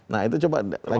nah itu coba lagi